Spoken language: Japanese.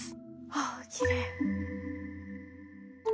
あっきれい。